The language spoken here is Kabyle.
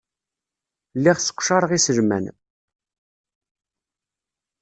Lliɣ sseqcareɣ iselman.